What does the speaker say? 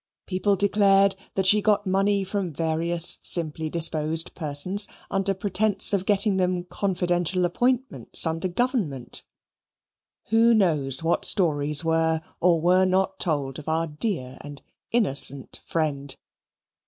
People declared that she got money from various simply disposed persons, under pretence of getting them confidential appointments under Government. Who knows what stories were or were not told of our dear and innocent friend?